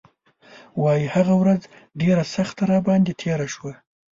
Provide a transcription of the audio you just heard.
وايي هغه ورځ ډېره سخته راباندې تېره شوه.